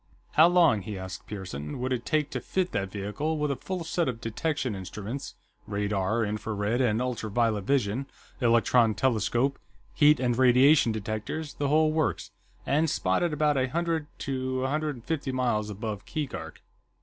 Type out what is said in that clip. "How long," he asked Pearson, "would it take to fit that vehicle with a full set of detection instruments radar, infrared and ultra violet vision, electron telescope, heat and radiation detectors, the whole works and spot it about a hundred to a hundred and fifty miles above Keegark?"